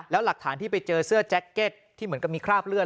แล้วหลักฐานที่ไปเจอเสื้อแจ็คเก็ตที่เหมือนกับมีคราบเลือด